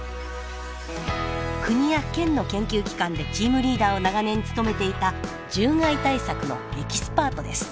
国や県の研究機関でチームリーダーを長年務めていた獣害対策のエキスパートです。